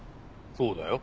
そうだよ。